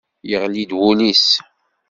Yeɣli-d wul-is.